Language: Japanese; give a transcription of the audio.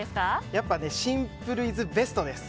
やっぱりシンプルイズベストです。